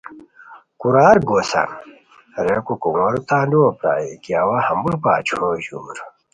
کورار گوسان؟ ریکو کومورو تان لوؤ پرائے کی اوا ہموݰ باچھو ژور